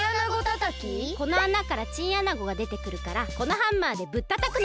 このあなからチンアナゴがでてくるからこのハンマーでぶったたくの。